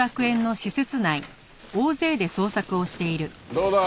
どうだ？